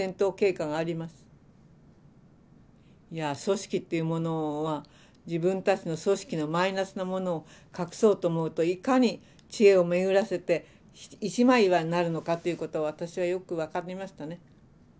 組織っていうものは自分たちの組織のマイナスなものを隠そうと思うといかに知恵を巡らせて一枚岩になるのかということを私はよく分かりましたね。